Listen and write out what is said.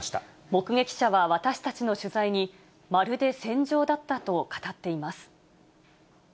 目撃者は私たちの取材に、まるで戦場だったと語っています。